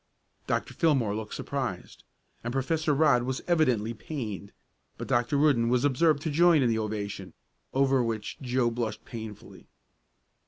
Dr. Fillmore looked surprised, and Professor Rodd was evidently pained, but Dr. Rudden was observed to join in the ovation, over which Joe blushed painfully.